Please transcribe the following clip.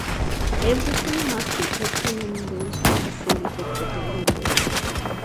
Everything must be open and loose to facilitate the delivery.